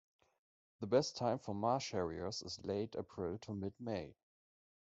The best time for marsh harriers is late April to mid-May.